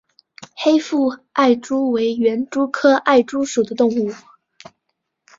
黑腹艾蛛为园蛛科艾蛛属的动物。